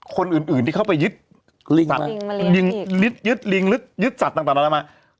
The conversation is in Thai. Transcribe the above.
คนอื่นที่เข้าไปยึดลิงหรือยึดสัตว์ต่างนานามา